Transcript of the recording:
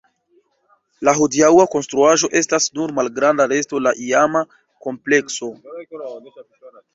La hodiaŭa konstruaĵo estas nur malgranda resto la iama komplekso.